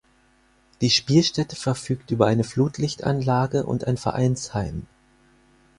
Die Spielstätte verfügt über eine Flutlichtanlage und ein Vereinsheim.